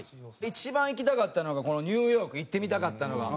一番行きたかったのがこのニューヨーク行ってみたかったのは。